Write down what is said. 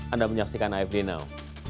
anda menyaksikan afd now